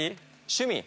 趣味？